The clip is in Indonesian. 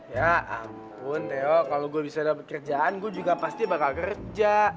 ya ampun teo kalo gue bisa dapet kerjaan gue juga pasti bakal kerja